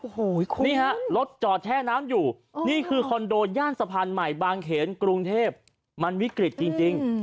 โอ้โหคุณนี่ฮะรถจอดแช่น้ำอยู่นี่คือคอนโดย่านสะพานใหม่บางเขนกรุงเทพมันวิกฤตจริง